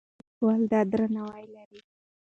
لیکوال دا درناوی لري.